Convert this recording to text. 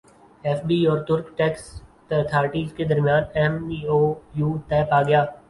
F B اور ترک tax authorities کے درمیان ایم او یو طے پاگیا